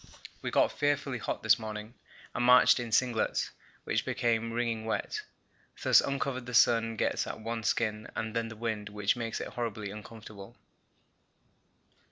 We got fearfully hot this morning and marched in singlets, which became wringing wet; thus uncovered the sun gets at one's skin, and then the wind, which makes it horribly uncomfortable.